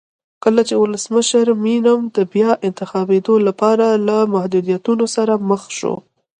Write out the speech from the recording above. کله چې ولسمشر مینم د بیا انتخابېدو لپاره له محدودیتونو سره مخ شو.